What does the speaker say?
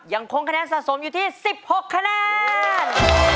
ยังคงคะแนนสะสมอยู่ที่๑๖คะแนน